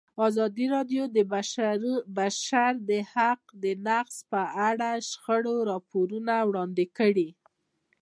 ازادي راډیو د د بشري حقونو نقض په اړه د شخړو راپورونه وړاندې کړي.